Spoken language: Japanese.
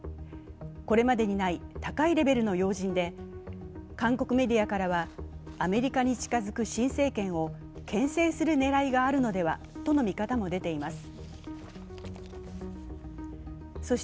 これまでにない高いレベルの要人で韓国メディアからは、アメリカに近づく新政権を牽制する狙いがあるのではとの見方も出ています。